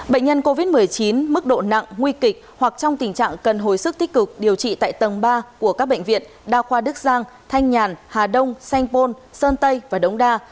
bệnh nhân covid một mươi chín mức độ nặng nguy kịch hoặc trong tình trạng cần hồi sức tích cực điều trị tại tầng ba của các bệnh viện đa khoa đức giang thanh nhàn hà đông sanh pôn sơn tây và đống đa